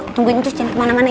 tungguin cus jalan kemana mana ya